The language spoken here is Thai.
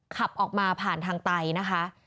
ขับออกมาผ่านทางไตนะคะ